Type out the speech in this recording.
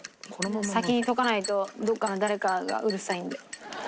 先に溶かないとどっかの誰かがうるさいんで。